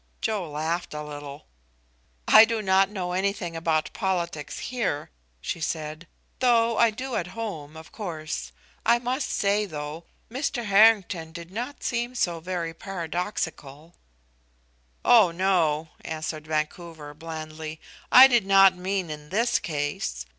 Joe laughed a little. "I do not know anything about politics here," she said, "though I do at home, of course. I must say, though, Mr. Harrington did not seem so very paradoxical." "Oh no," answered Vancouver, blandly, "I did not mean in this case.